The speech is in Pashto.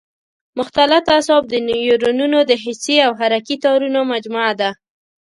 مختلط اعصاب د نیورونونو د حسي او حرکي تارونو مجموعه ده.